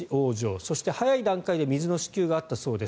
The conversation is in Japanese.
そして、早い段階で水の支給があったそうです。